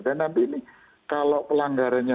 dan nanti ini kalau pelanggarannya